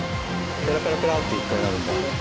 ペラペラペラって一回なるんだ。